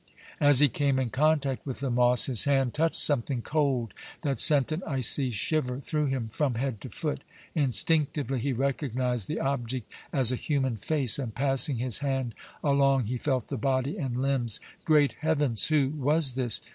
As he came in contact with the moss, his hand touched something cold that sent an icy shiver through him from head to foot. Instinctively he recognized the object as a human face, and passing his hand along he felt the body and limbs. Great heavens! who was this?